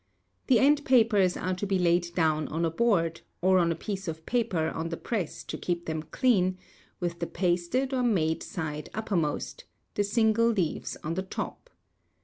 The end papers are to be laid down on a board, or on a piece of paper on the press to keep them clean, with the pasted or made side uppermost, the single leaves on the top.